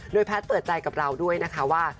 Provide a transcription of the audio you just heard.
แพทย์เปิดใจกับเราด้วยนะคะว่า